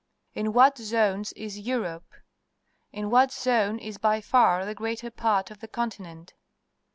In what zones is Europe? In what zone is by far the greater part of the continent?